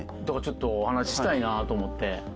だからちょっとお話したいなと思って。